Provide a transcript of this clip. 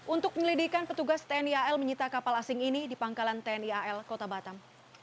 untuk penyelidikan petugas tni al menyita kapal asing ini di pangkalan tni al kota batam